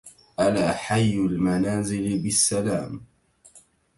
ألا حي المنازل بالسلام